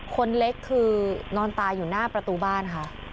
คนเล็กคือนอนตายอยู่หน้าประตูบ้านค่ะ